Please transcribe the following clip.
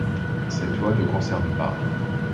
Cette loi ne concerne pas '.